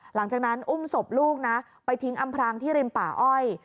หลังจากนั้นอุ้มศพลูกนะไปทิ้งอำพรางที่ริมป่าอ้อย